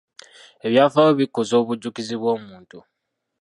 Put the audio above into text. Ebyafaayo bikuza obujjukizi bw'omuntu.